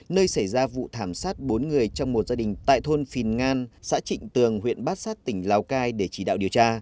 nơi xảy ra vụ thảm sát bốn người trong một gia đình tại thôn phìn ngan xã trịnh tường huyện bát sát tỉnh lào cai để chỉ đạo điều tra